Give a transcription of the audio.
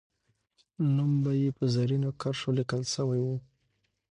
نوم یې به په زرینو کرښو لیکل سوی وو.